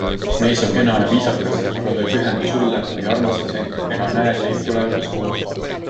Mees on kena ja viisakas, aga ta ei pühendu sulle, ei armasta sind ega näed teid tulevikus koos.